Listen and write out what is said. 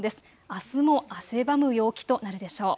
あすも汗ばむ陽気となるでしょう。